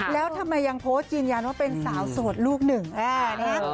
แล้วทำไมยังโพสต์ยืนยันว่าเป็นสาวโสดลูกหนึ่ง